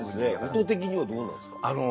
音的にはどうなんですか。